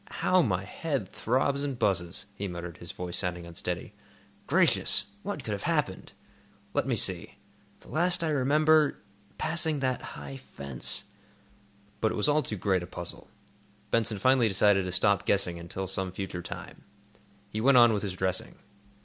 "How my head throbs and buzzes!" he muttered, his voice sounding unsteady. "Gracious! What could have happened? Let me see. The last I remember—passing that high fence—" But it was all too great a puzzle. Benson finally decided to stop guessing until some future time. He went on with his dressing.